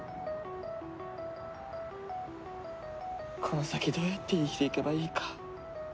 この先どうやって生きていけばいいか。